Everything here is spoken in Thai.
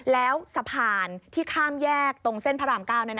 แล้วสะพานที่ข้ามแยกตรงเส้นพระราม๙